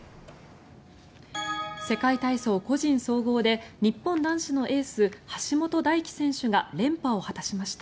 世界体操、個人総合で日本男子のエース橋本大輝選手が連覇を果たしました。